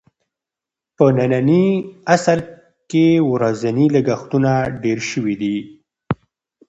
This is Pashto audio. په ننني عصر کې ورځني لګښتونه ډېر شوي دي.